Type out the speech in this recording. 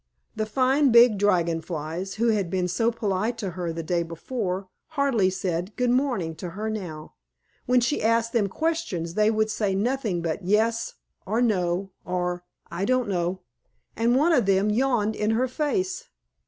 The fine Big Dragon Flies, who had been so polite to her the day before, hardly said "Good morning" to her now. When she asked them questions, they would say nothing but "Yes" or "No" or "I don't know," and one of them yawned in her face.